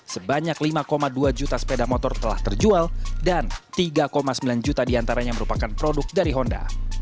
sebanyak lima dua juta sepeda motor telah terjual dan tiga sembilan juta diantaranya merupakan produk dari honda